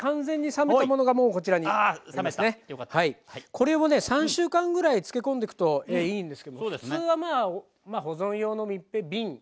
これをね３週間ぐらい漬け込んでくといいんですけども普通はまあ保存用の密閉瓶。